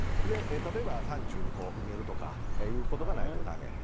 例えば、山中に埋めるとかということがないとだめ。